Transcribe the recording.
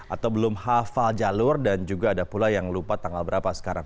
atau belum hafal jalur dan juga ada pula yang lupa tanggal berapa sekarang